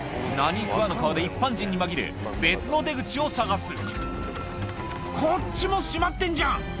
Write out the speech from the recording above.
何食わぬ顔で一般人に紛れ別の出口を探すこっちも閉まってんじゃん。